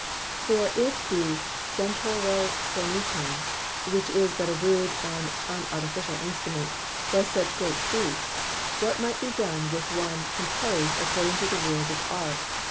For if the Stentoro phonecon (which is but a rude and unartificial Instrument) does such great feats, what might be done with one compos'd according to the Rules of Art?